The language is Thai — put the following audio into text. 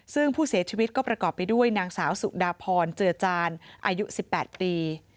ซึ่งผู้เสียชีวิตก็ประกอบไปด้วยนางสาวสุดาพรเจือจานอายุ๑๘ปี